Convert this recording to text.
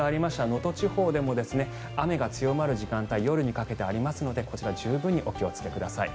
能登地方でも雨が強まる時間帯が夜にかけてありますのでお気をつけください。